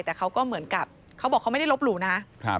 แต่เขาก็เหมือนกับเขาบอกเขาไม่ได้ลบหลู่นะ